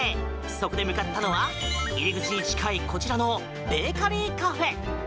そこで向かったのは入り口に近いこちらのベーカリーカフェ。